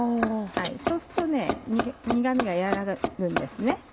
そうすると苦味が和らぐんです。